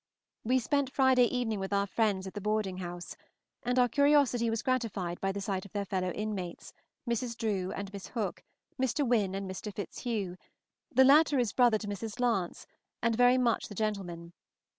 We spent Friday evening with our friends at the boarding house, and our curiosity was gratified by the sight of their fellow inmates, Mrs. Drew and Miss Hook, Mr. Wynne and Mr. Fitzhugh; the latter is brother to Mrs. Lance, and very much the gentleman.